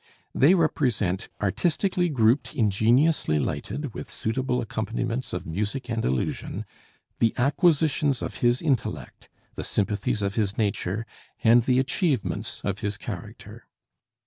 They represent artistically grouped, ingeniously lighted, with suitable acompaniments of music and illusion the acquisitions of his intellect, the sympathies of his nature, and the achievements of his character.